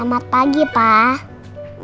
ulan ok up liat ini pakai up